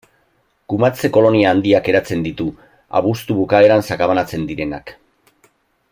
Kumatze-kolonia handiak eratzen ditu, abuztu bukaeran sakabanatzen direnak.